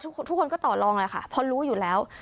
ทุกคนก็ต่อลองเลยค่ะเพราะรู้อยู่แล้ว